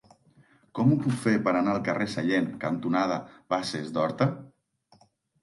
Com ho puc fer per anar al carrer Sallent cantonada Basses d'Horta?